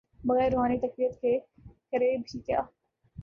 بغیر روحانی تقویت کے، کرے بھی کیا۔